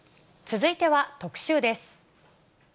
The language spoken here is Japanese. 続いては特集です。